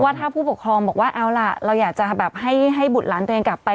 ถ้าผู้ปกครองบอกว่าเอาล่ะเราอยากจะแบบให้บุตรหลานตัวเองกลับไป